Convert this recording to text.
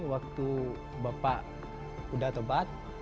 waktu bapak sudah tebat